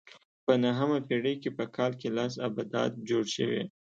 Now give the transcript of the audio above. په نهمه پېړۍ کې په کال کې لس ابدات جوړ شوي.